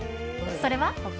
それは。